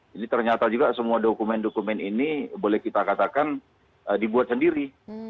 jadi ternyata juga semua dokumen dokumen ini boleh kita katakan dibuat sendiri